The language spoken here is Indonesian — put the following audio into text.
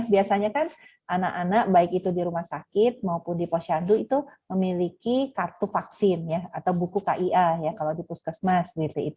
biasanya kan anak anak baik itu di rumah sakit maupun di posyandu itu memiliki kartu vaksin atau buku kia ya kalau di puskesmas